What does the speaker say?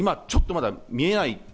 今、ちょっとまだ見えない。